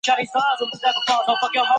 简单来说